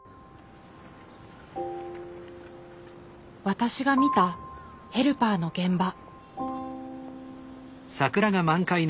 私が見たヘルパーの現場。